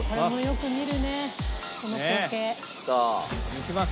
抜きます。